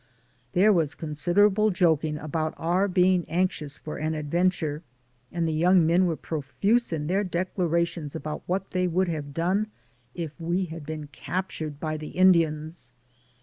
There was considerable joking about our being anxious for an adventure, and the 92 DAYS ON THE ROAD. young men were profuse in their declarations about what they would have done if we had been captured by the Indians.